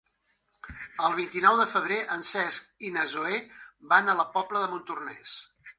El vint-i-nou de febrer en Cesc i na Zoè van a la Pobla de Montornès.